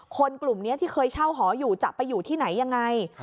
กลุ่มนี้ที่เคยเช่าหออยู่จะไปอยู่ที่ไหนยังไง